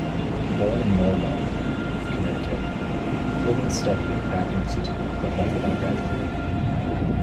Born in Norwalk, Connecticut, Kliban studied at Pratt Institute but left without graduating.